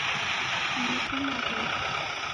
Mneke mariwa.